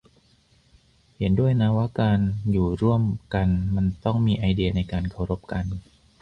เห็นด้วยนะว่าการอยู่ร่วมกันมันต้องมีไอเดียในการเคารพกัน